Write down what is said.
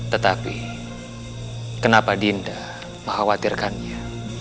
tetapi kenapa dinda mengkhawatirkannya